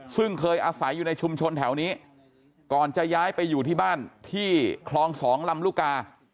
ซึ่งเคยอาศัยอยู่ในชุมชนแถวนี้ก่อนจะย้ายไปอยู่ที่บ้านที่คลอง๒ลำลูกกา